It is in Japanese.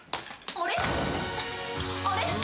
あれ？